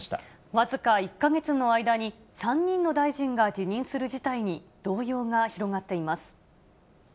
僅か１か月の間に３人の大臣が辞任する事態に動揺が広がっています。